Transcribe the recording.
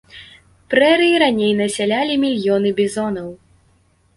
Прэрыі раней насялялі мільёны бізонаў.